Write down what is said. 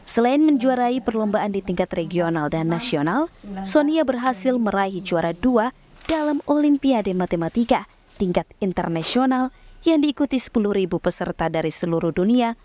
selain menjuarai perlombaan di tingkat regional dan nasional sonia berhasil meraih juara dua dalam olimpiade matematika tingkat internasional yang diikuti sepuluh peserta dari seluruh dunia